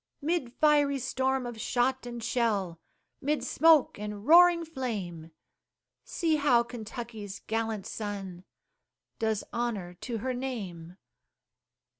'Mid fiery storm of shot and shell, 'Mid smoke and roaring flame, See how Kentucky's gallant son Does honor to her name!